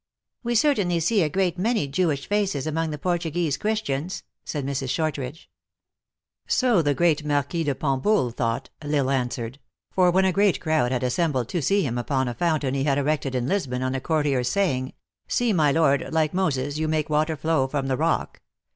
" We certainly see a great many Jewish faces among the Portuguese Christians," said Mrs. Shortridge. " So the great Marquis de Pombul thought," L Isle answered ;" for when a great crowd had assembled to see him open a fountain he had erected in Lisbon, on a courtier s saying, * See, my Lord, like Moses, you make water flow from the rock